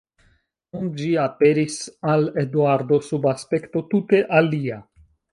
Nun ĝi aperis al Eduardo sub aspekto tute alia.